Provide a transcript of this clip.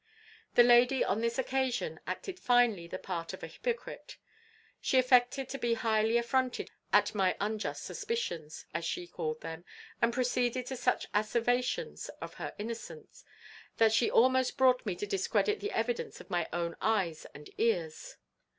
"The lady on this occasion acted finely the part of a hypocrite. She affected to be highly affronted at my unjust suspicions, as she called them; and proceeded to such asseverations of her innocence, that she almost brought me to discredit the evidence of my own eyes and ears.